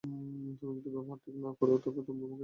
তুমি যদি ব্যবহার ঠিক না করো, তোমার মুখে অ্যাসিড ছিটিয়ে দিব।